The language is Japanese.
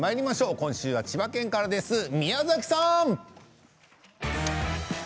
今週は千葉県からです、宮崎さん。